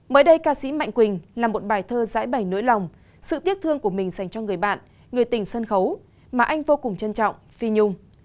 mới đây ca sĩ mạnh quỳnh là một bài thơ giải bày nỗi lòng sự tiếc thương của mình dành cho người bạn người tình sân khấu mà anh vô cùng trân trọng phi nhung